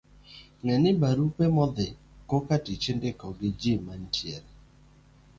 Ng'e ni, barupe modhi kokatich indiko gi ji manitiere e